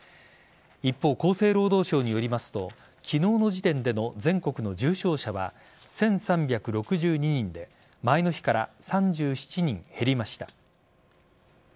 一方、厚生労働省によりますと昨日の時点での全国の重症者は１３６２人で前の日から３７人減りました。